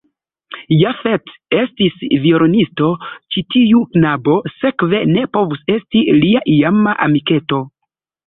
Jafet estis violonisto, ĉi tiu knabo sekve ne povus esti lia iama amiketo.